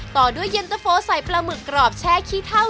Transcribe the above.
ต่อด้วยเย็นตะโฟใส่ปลาหมึกกรอบแช่ขี้เท่า